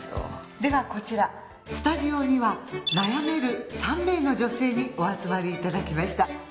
ではこちらスタジオには悩める３名の女性にお集まりいただきました。